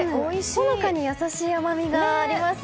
ほのかに優しい甘みがありますね。